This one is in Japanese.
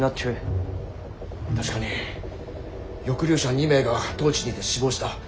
確かに抑留者２名が当地にて死亡した。